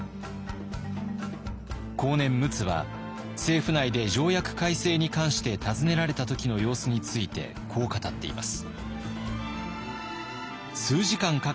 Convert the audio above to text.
後年陸奥は政府内で条約改正に関して尋ねられた時の様子についてこう語っています。